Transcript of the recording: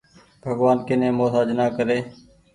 ڀڳوآن ڪي ني مهتآج نآ ڪري۔